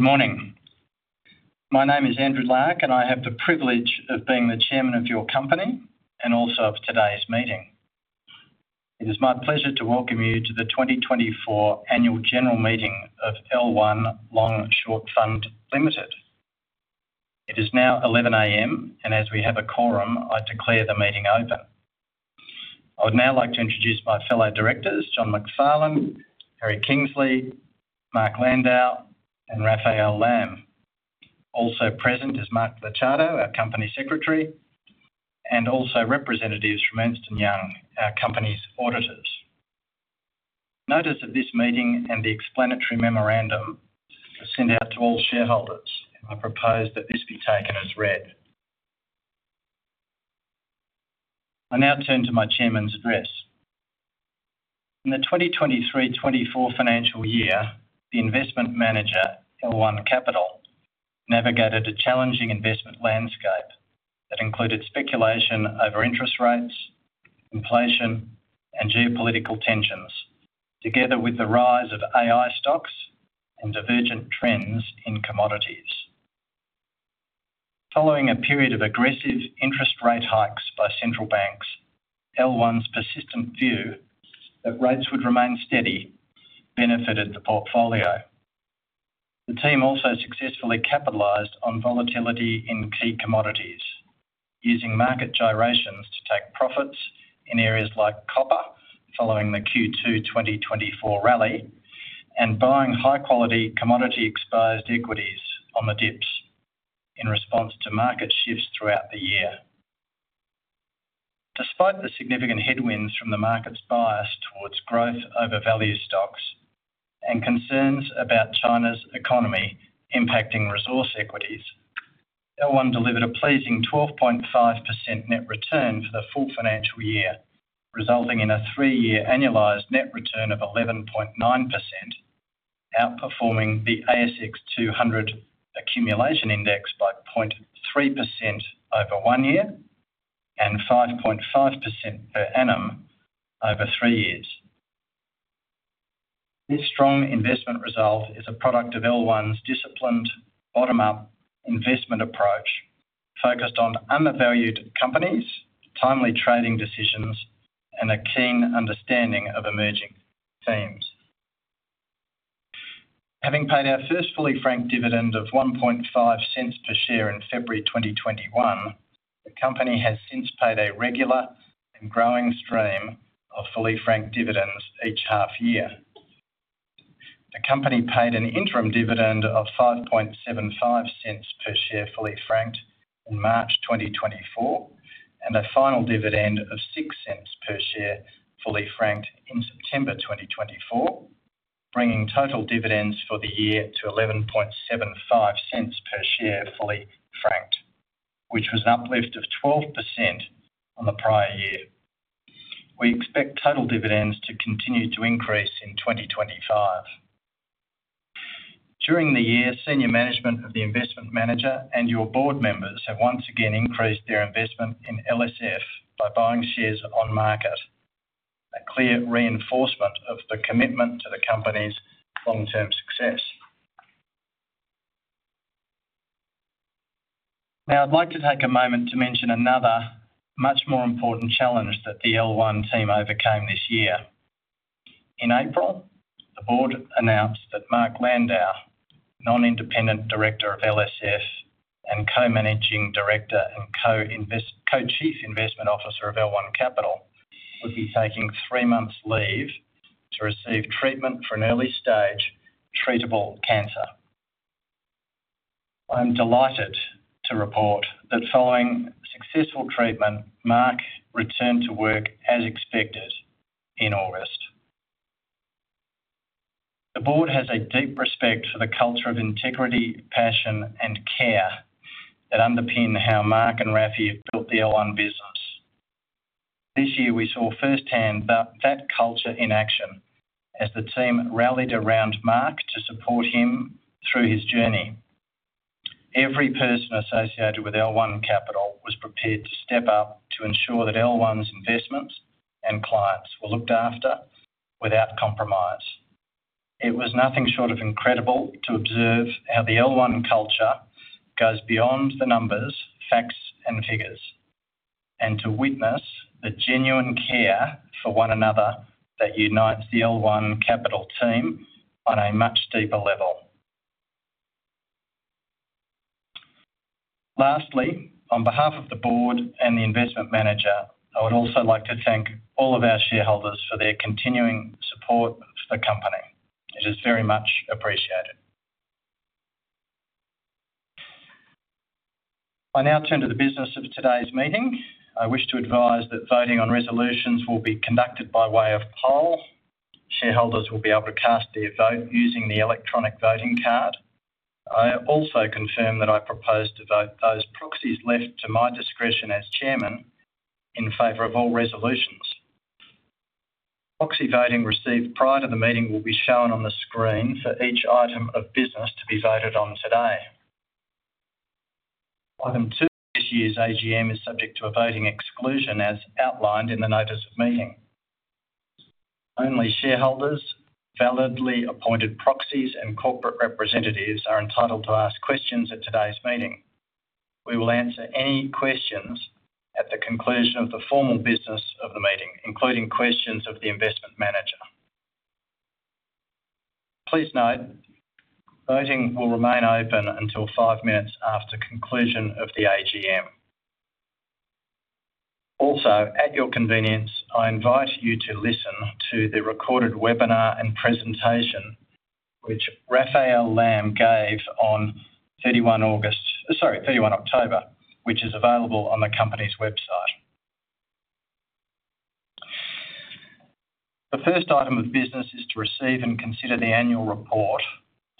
Good morning. My name is Andrew Larke, and I have the privilege of being the chairman of your company and also of today's meeting. It is my pleasure to welcome you to the 2024 Annual General Meeting of L1 Long Short Fund Limited. It is now 11:00 A.M., and as we have a quorum, I declare the meeting open. I would now like to introduce my fellow directors, John Macfarlane, Harry Kingsley, Mark Landau, and Rafael Lam. Also present is Mark Licciardo, our company secretary, and also representatives from Ernst & Young, our company's auditors. Notice of this meeting and the explanatory memorandum are sent out to all shareholders, and I propose that this be taken as read. I now turn to my chairman's address. In the 2023-24 financial year, the investment manager, L1 Capital, navigated a challenging investment landscape that included speculation over interest rates, inflation, and geopolitical tensions, together with the rise of AI stocks and divergent trends in commodities. Following a period of aggressive interest rate hikes by central banks, L1's persistent view that rates would remain steady benefited the portfolio. The team also successfully capitalized on volatility in key commodities, using market gyrations to take profits in areas like copper following the Q2 2024 rally and buying high-quality commodity-exposed equities on the dips in response to market shifts throughout the year. Despite the significant headwinds from the market's bias towards growth over value stocks and concerns about China's economy impacting resource equities, L1 delivered a pleasing 12.5% net return for the full financial year, resulting in a three-year annualized net return of 11.9%, outperforming the ASX 200 Accumulation Index by 0.3% over one year and 5.5% per annum over three years. This strong investment result is a product of L1's disciplined, bottom-up investment approach focused on undervalued companies, timely trading decisions, and a keen understanding of emerging themes. Having paid our first fully franked dividend of 0.015 per share in February 2021, the company has since paid a regular and growing stream of fully franked dividends each half year. The company paid an interim dividend of 5.75 per share fully franked in March 2024 and a final dividend of 0.06 per share fully franked in September 2024, bringing total dividends for the year to 11.75 per share fully franked, which was an uplift of 12% on the prior year. We expect total dividends to continue to increase in 2025. During the year, senior management of the investment manager and your board members have once again increased their investment in LSF by buying shares on market, a clear reinforcement of the commitment to the company's long-term success. Now, I'd like to take a moment to mention another, much more important challenge that the L1 team overcame this year. In April, the board announced that Mark Landau, non-independent director of LSF and co-managing director and co-chief investment officer of L1 Capital, would be taking three months' leave to receive treatment for an early-stage treatable cancer. I'm delighted to report that following successful treatment, Mark returned to work as expected in August. The board has a deep respect for the culture of integrity, passion, and care that underpin how Mark and Rafi have built the L1 business. This year, we saw firsthand that culture in action as the team rallied around Mark to support him through his journey. Every person associated with L1 Capital was prepared to step up to ensure that L1's investments and clients were looked after without compromise. It was nothing short of incredible to observe how the L1 culture goes beyond the numbers, facts, and figures, and to witness the genuine care for one another that unites the L1 Capital team on a much deeper level. Lastly, on behalf of the board and the investment manager, I would also like to thank all of our shareholders for their continuing support of the company. It is very much appreciated. I now turn to the business of today's meeting. I wish to advise that voting on resolutions will be conducted by way of poll. Shareholders will be able to cast their vote using the electronic voting card. I also confirm that I propose to vote those proxies left to my discretion as chairman in favor of all resolutions. Proxy voting received prior to the meeting will be shown on the screen for each item of business to be voted on today. This year's AGM is subject to a voting exclusion as outlined in the notice of meeting. Only shareholders, validly appointed proxies, and corporate representatives are entitled to ask questions at today's meeting. We will answer any questions at the conclusion of the formal business of the meeting, including questions of the investment manager. Please note, voting will remain open until five minutes after conclusion of the AGM. Also, at your convenience, I invite you to listen to the recorded webinar and presentation which Rafael Lam gave on 31 October, which is available on the company's website. The first item of business is to receive and consider the annual report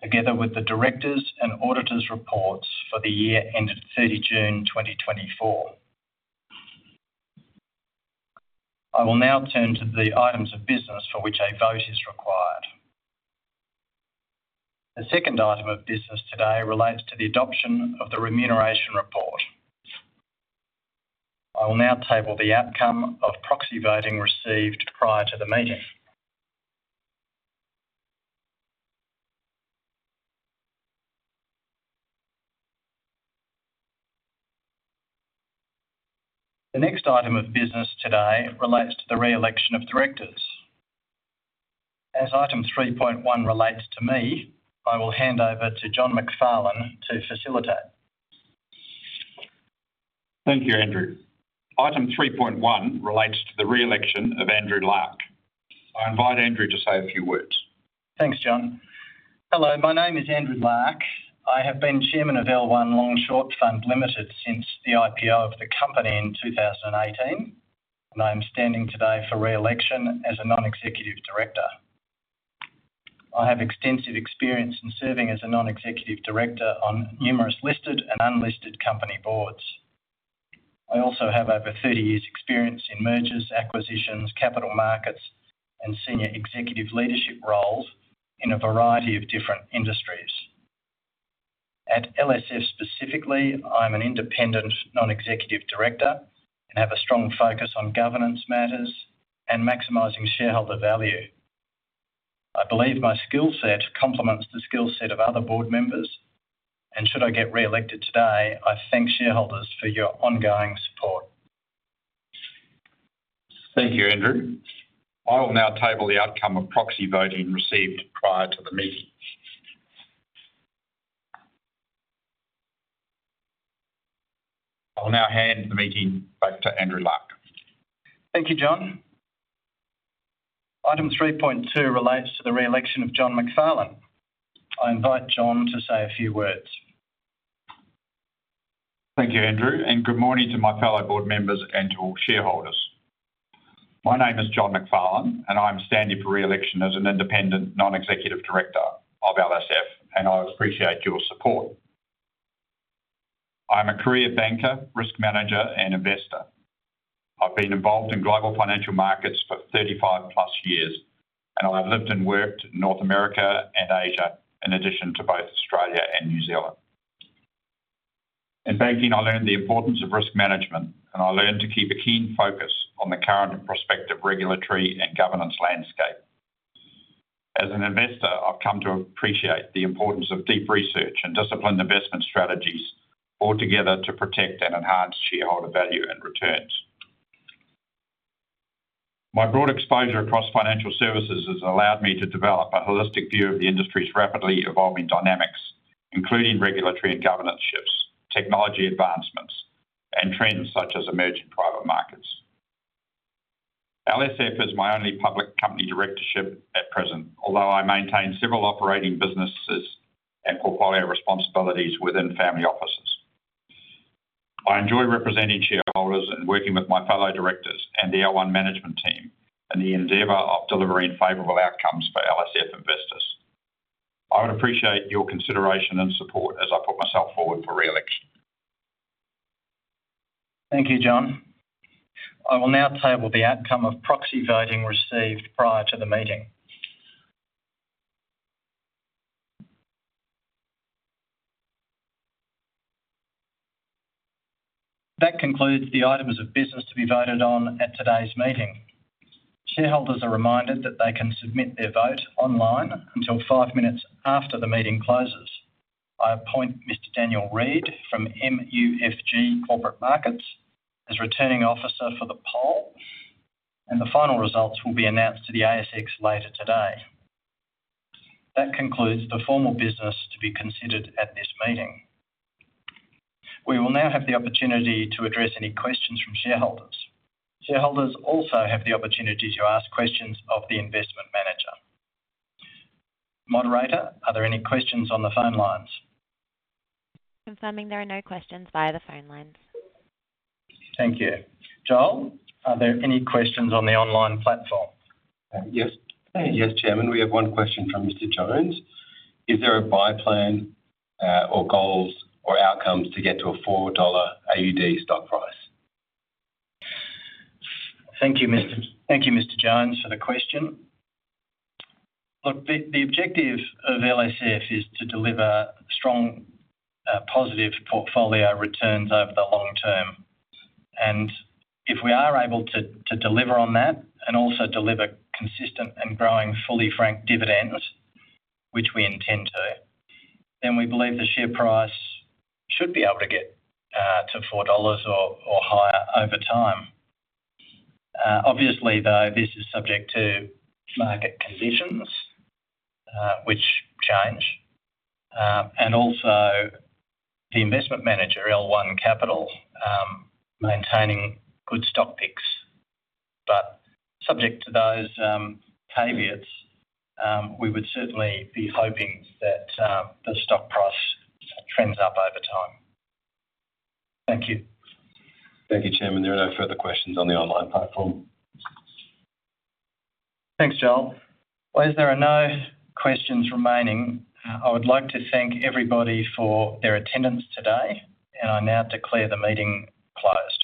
together with the directors' and auditors' reports for the year ended 30 June 2024. I will now turn to the items of business for which a vote is required. The second item of business today relates to the adoption of the remuneration report. I will now table the outcome of proxy voting received prior to the meeting. The next item of business today relates to the re-election of directors. As item 3.1 relates to me, I will hand over to John Macfarlane to facilitate. Thank you, Andrew. Item 3.1 relates to the re-election of Andrew Larke. I invite Andrew to say a few words. Thanks, John. Hello, my name is Andrew Larke. I have been chairman of L1 Long Short Fund, Limited since the IPO of the company in 2018, and I am standing today for re-election as a non-executive director. I have extensive experience in serving as a non-executive director on numerous listed and unlisted company boards. I also have over 30 years' experience in mergers, acquisitions, capital markets, and senior executive leadership roles in a variety of different industries. At LSF specifically, I'm an independent non-executive director and have a strong focus on governance matters and maximizing shareholder value. I believe my skill set complements the skill set of other board members, and should I get re-elected today, I thank shareholders for your ongoing support. Thank you, Andrew. I will now table the outcome of proxy voting received prior to the meeting. I will now hand the meeting back to Andrew Larke. Thank you, John. Item 3.2 relates to the re-election of John Macfarlane. I invite John to say a few words. Thank you, Andrew, and good morning to my fellow board members and to all shareholders. My name is John Macfarlane, and I am standing for re-election as an Independent Non-Executive Director of LSF, and I appreciate your support. I am a career banker, risk manager, and investor. I've been involved in global financial markets for 35 plus years, and I have lived and worked in North America and Asia, in addition to both Australia and New Zealand. In banking, I learned the importance of risk management, and I learned to keep a keen focus on the current and prospective regulatory and governance landscape. As an investor, I've come to appreciate the importance of deep research and disciplined investment strategies altogether to protect and enhance shareholder value and returns. My broad exposure across financial services has allowed me to develop a holistic view of the industry's rapidly evolving dynamics, including regulatory and governance shifts, technology advancements, and trends such as emerging private markets. LSF is my only public company directorship at present, although I maintain several operating businesses and portfolio responsibilities within family offices. I enjoy representing shareholders and working with my fellow directors and the L1 management team in the endeavor of delivering favorable outcomes for LSF investors. I would appreciate your consideration and support as I put myself forward for re-election. Thank you, John. I will now table the outcome of proxy voting received prior to the meeting. That concludes the items of business to be voted on at today's meeting. Shareholders are reminded that they can submit their vote online until five minutes after the meeting closes. I appoint Mr. Daniel Reid from MUFG Corporate Markets as returning officer for the poll, and the final results will be announced to the ASX later today. That concludes the formal business to be considered at this meeting. We will now have the opportunity to address any questions from shareholders. Shareholders also have the opportunity to ask questions of the investment manager. Moderator, are there any questions on the phone lines? Confirming there are no questions via the phone lines. Thank you. Joel, are there any questions on the online platform? Yes. Yes, Chairman. We have one question from Mr. Jones. Is there a buy plan or goals or outcomes to get to a 4 AUD stock price? Thank you, Mr. Jones for the question. Look, the objective of LSF is to deliver strong, positive portfolio returns over the long term. And if we are able to deliver on that and also deliver consistent and growing fully franked dividends, which we intend to, then we believe the share price should be able to get to 4 dollars or higher over time. Obviously, though, this is subject to market conditions which change, and also the investment manager, L1 Capital, maintaining good stock picks. But subject to those caveats, we would certainly be hoping that the stock price trends up over time. Thank you. Thank you, Chairman. There are no further questions on the online platform. Thanks, Joel. As there are no questions remaining, I would like to thank everybody for their attendance today, and I now declare the meeting closed.